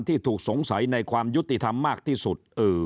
ที่ถูกสงสัยในความยุติธรรมมากที่สุด